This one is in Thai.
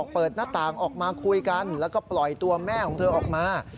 เปิดหน้าต่างออกมาคุยกันแล้วก็ปล่อยตัวแม่ของเธอออกมา